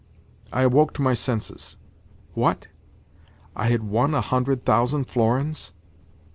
I awoke to my senses. What? I had won a hundred thousand florins?